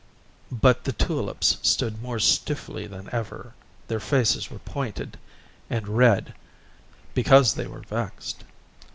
But the tulips stood more stiffly than ever, their faces were pointed and red, because they were vexed.